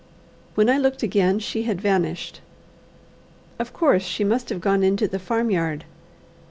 When I looked again she had vanished. Of course she must have gone into the farm yard.